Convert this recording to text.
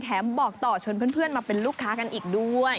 บอกต่อชวนเพื่อนมาเป็นลูกค้ากันอีกด้วย